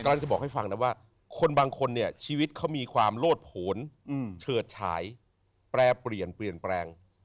กำลังจะบอกให้ฟังนะว่าคนบางคนเนี่ยชีวิตเขามีความโลดผลเฉิดฉายแปรเปลี่ยนเปลี่ยนแปลง